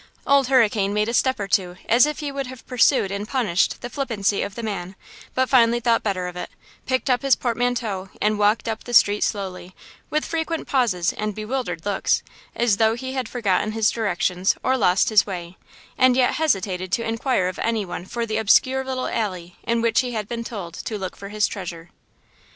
Old Hurricane made a step or two as if he would have pursued and punished the flippancy of the man, but finally thought better of it, picked up his portmanteau and walked up the street slowly, with frequent pauses and bewildered looks, as though he had forgotten his directions or lost his way, and yet hesitated to inquire of any one for the obscure little alley in which he had been told to look for his treasure.